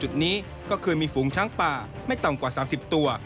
จุดนี้ก็คือมีฝุงช้างปลาไม่ต่อกว่าสามสิบตัว